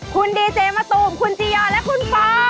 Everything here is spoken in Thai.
คุณดีเจมะตูมคุณจียอและคุณฟ้า